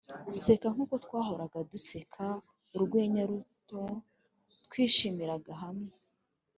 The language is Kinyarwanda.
seka nkuko twahoraga duseka urwenya ruto twishimiraga hamwe.